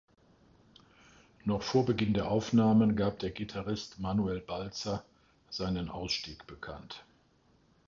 Noch vor Beginn der Aufnahmen gab der Gitarrist Manuel Balzer seinen Ausstieg bekannt.